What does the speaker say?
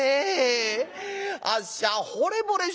あっしゃほれぼれしましたよ」。